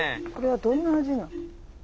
これはどんな味なん？